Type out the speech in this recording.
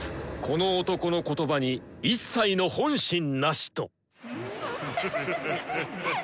この男の言葉に一切の本心なしと！